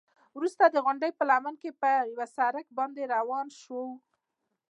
وروسته د غونډۍ په لمن کې پر یوه سړک باندې روان شوو.